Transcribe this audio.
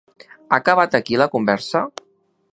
Ha acabat aquí la conversa?